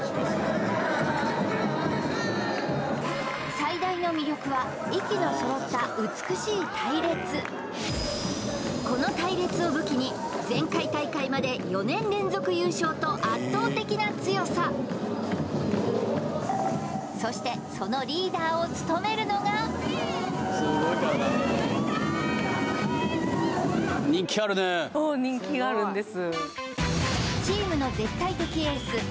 最大の魅力は息のそろった美しい隊列この隊列を武器に前回大会までと圧倒的な強さそしてその人気があるんです